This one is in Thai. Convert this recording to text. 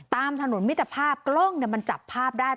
ตามถนนมิตรภาพกล้องมันจับภาพได้